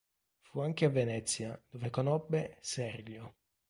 Fu anche a Venezia dove conobbe Serlio.